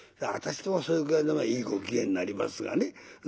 私もそれぐらい飲めばいいご機嫌になりますがね。